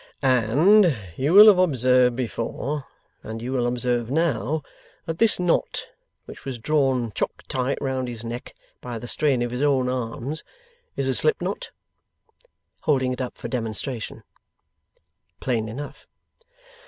'And you will have observed before, and you will observe now, that this knot, which was drawn chock tight round his neck by the strain of his own arms, is a slip knot': holding it up for demonstration. Plain enough.